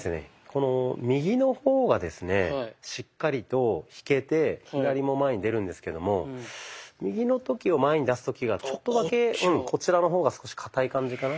この右の方がですねしっかりと引けて左も前に出るんですけども右の時を前に出す時がちょっとだけこちらの方が少しかたい感じかな。